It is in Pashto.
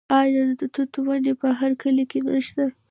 آیا د توت ونې په هر کلي کې نشته؟